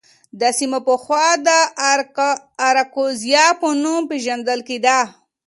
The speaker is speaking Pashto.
دا سیمه پخوا د اراکوزیا په نوم پېژندل کېده.